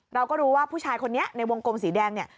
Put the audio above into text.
เราก็รู้ว่าผู้ชายคนนี้ในวงกลมสีแดงเนี่ย